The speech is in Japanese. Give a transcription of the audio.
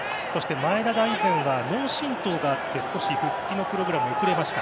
前田大然は脳振とうがあって少し復帰のプログラム遅れました。